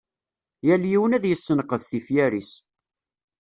Yal yiwen ad yessenqed tifyar-is.